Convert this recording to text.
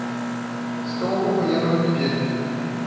Estou acompanhando meu pedido.